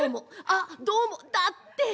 あっどうもだって。